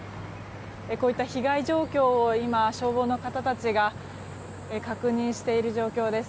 こういった被害状況を今、消防の方たちが確認している状況です。